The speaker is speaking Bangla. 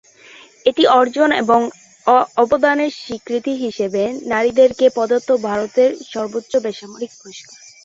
এটি অর্জন এবং অবদানের স্বীকৃতি হিসাবে নারীদেরকে প্রদত্ত ভারতের সর্বোচ্চ বেসামরিক পুরস্কার।